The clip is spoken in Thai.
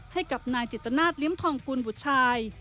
ให้กับนายจิตนาศลิ้มทองกุลบุตรชาย